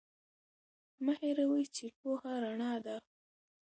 مه هیروئ چې پوهه رڼا ده.